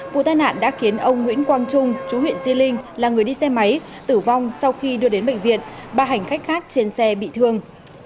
vụ tai nạn đã khiến ông nguyễn quang trung chú huyện di linh là người đi xe máy tử vong sau khi đưa đến bệnh viện ba hành khách khác trên xe bị thương